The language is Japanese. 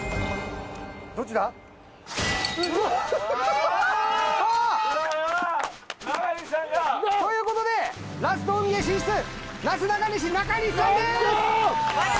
・どっちだ？ということでラスト運ゲー進出なすなかにし中西さんです！よっしゃ！